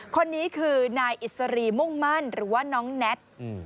คนนี้คือนายอิสรีมุ่งมั่นหรือว่าน้องแน็ต